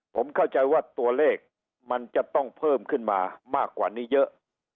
ผมเข้าใจว่าตัวเลขมันจะต้องเพิ่มขึ้นมามากกว่านี้เยอะ